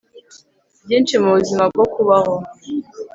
byinshi mubuzima bwo kubaho